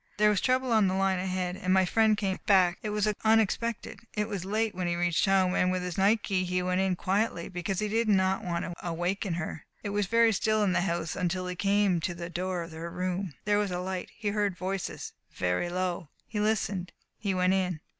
There was trouble on the line ahead, and my friend came back. It was unexpected. It was late when he reached home, and with his night key he went in quietly, because he did not want to awaken her. It was very still in the house until he came to the door of her room. There was a light. He heard voices very low. He listened. He went in."